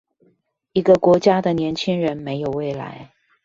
一個國家的年輕人沒有未來